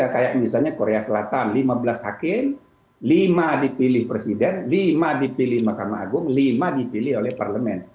kayak misalnya korea selatan lima belas hakim lima dipilih presiden lima dipilih mahkamah agung lima dipilih oleh parlemen